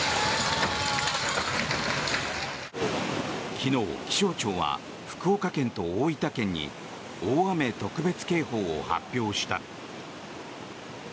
昨日、気象庁は福岡県と大分県に大雨特別警報を発表した。